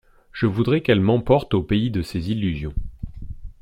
Je voudrais qu’elle m’emporte au pays de ses illusions.